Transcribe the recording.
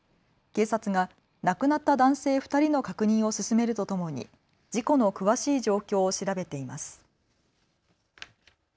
警察が亡くなった男性２人の確認を進めるとともに事故の詳しい状況を調べています。